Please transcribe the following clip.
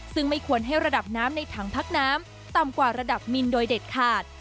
ซึ่งไม่ควรให้ระดับน้ำในถังพักน้ำต่ำกว่าระดับมินโดยเด็ดขาด